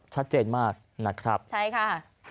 ชัดเจนมากนะครับใช่ค่ะ